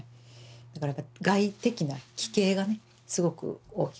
だからやっぱ外的な奇形がねすごく大きくてうん。